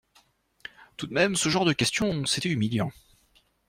tout de même, ce genre de questions, c’était humiliant.